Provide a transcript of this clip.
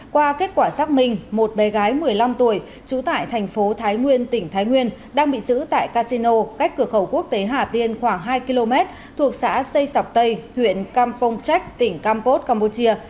qua kết quả xác minh một bé gái một mươi năm tuổi trú tại thành phố thái nguyên tỉnh thái nguyên đang bị giữ tại casino cách cửa khẩu quốc tế hà tiên khoảng hai km thuộc xã xây sọc tây huyện campong chek tỉnh campos campuchia